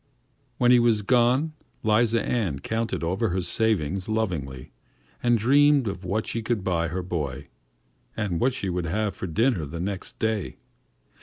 When he was gone, 'Liza Ann counted over her savings lovingly and dreamed of what she would buy her boy, and what she would have for dinner on the next day.